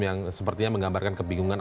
yang sepertinya menggambarkan kebingungan